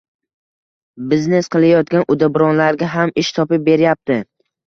biznes qilayotgan uddaburonlarga ham ish topib beryapti.